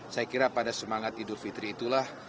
saya kira pada semangat idul fitri itulah